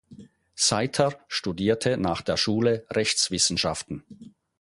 Seitter studierte nach der Schule Rechtswissenschaften.